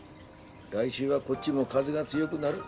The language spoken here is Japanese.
来週はこっちも風が強ぐなる。